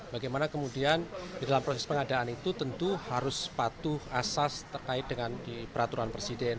bagaimana kemudian di dalam proses pengadaan itu tentu harus patuh asas terkait dengan di peraturan presiden